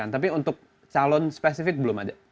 tapi untuk calon spesifik belum ada